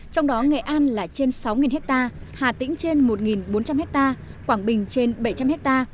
trong đó nghệ an là trên sáu hecta hà tĩnh trên một bốn trăm linh hecta quảng bình trên bảy trăm linh hecta